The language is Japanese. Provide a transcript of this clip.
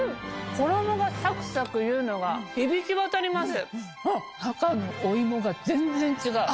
衣がサクサクいうのが響き渡ります。